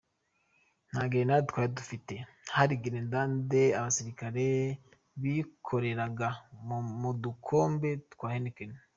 Nta grenades twari dufite, hari grenades abasirikare bikoreraga mu dukombe twa Heineken!